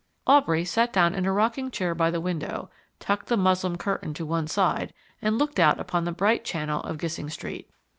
Aubrey sat down in a rocking chair by the window, tucked the muslin curtain to one side, and looked out upon the bright channel of Gissing Street.